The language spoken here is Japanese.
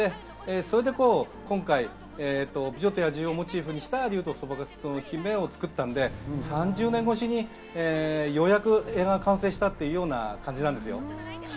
それで今回、『美女と野獣』をモチーフにした『竜とそばかすの姫』を作ったので、３０年越しにようやく映画が完成したというような感じなんですよ。